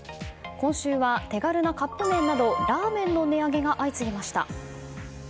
今週は手軽なカップ麺などラーメンの値上げが相次ぎました。